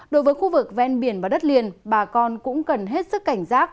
đối với khu vực ven biển và đất liền bà con cũng cần hết sức cảnh giác